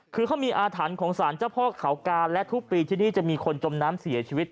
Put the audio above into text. คือเขามีอาถรรพ์ของสารเจ้าพ่อเขากาและทุกปีที่นี่จะมีคนจมน้ำเสียชีวิต